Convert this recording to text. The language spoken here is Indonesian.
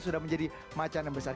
sudah menjadi macanan besar